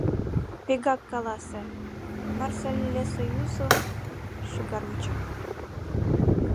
Вигак каласе: Марсельлессоюзым шӱгар вуча.